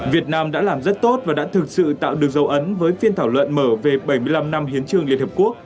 việt nam đã làm rất tốt và đã thực sự tạo được dấu ấn với phiên thảo luận mở về bảy mươi năm năm hiến trương liên hợp quốc